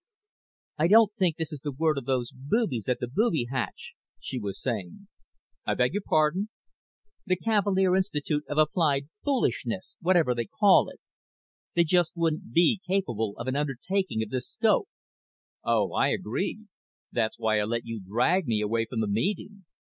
"I don't think this is the work of those boobies at the booby hatch," she was saying. "I beg your pardon?" "The Cavalier Institution of Applied Foolishness, whatever they call it. They just wouldn't be capable of an undertaking of this scope." "Oh, I agree. That's why I let you drag me away from the meeting.